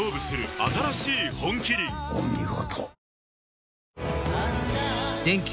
お見事。